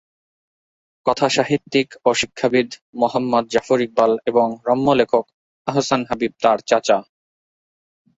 কথাসাহিত্যিক ও শিক্ষাবিদ মুহম্মদ জাফর ইকবাল এবং রম্য লেখক আহসান হাবীব তার চাচা।